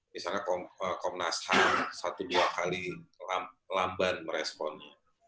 misalnya komnas ham satu dua kali lamban meresponnya